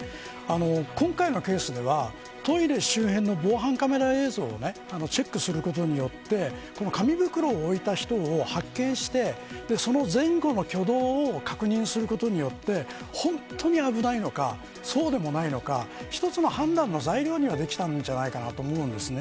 今回のケースでは、トイレ周辺の防犯カメラ映像をチェックすることによって紙袋を置いた人を発見してその前後の挙動を確認することによって本当に危ないのかそうでもないのか１つの判断の材料になったんじゃないかと思います。